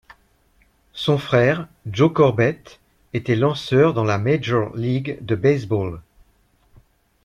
Son frère, Joe Corbett, était lanceur dans la Major League de Baseball.